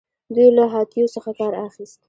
دوی له هاتیو څخه کار اخیست